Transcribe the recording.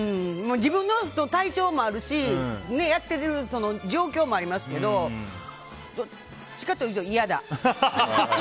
自分の体調もあるしやってる状況もありますけどどっちかっていうと、嫌だ。